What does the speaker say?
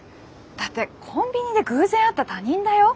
だってコンビニで偶然会った他人だよ？